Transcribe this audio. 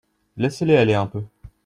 Laissez-les aller un peu.